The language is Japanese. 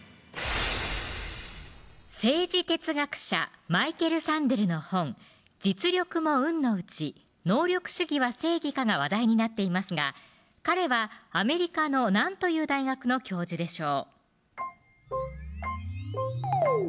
政治哲学者マイケル・サンデルの本実力も運のうち能力主義は正義か？が話題になっていますが彼はアメリカの何という大学の教授でしょう